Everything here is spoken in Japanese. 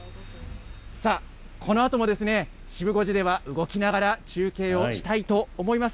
さあ、このあともシブ５時では、動きながら中継をしたいと思います。